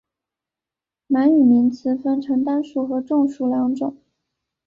满语名词分成单数和众数两种。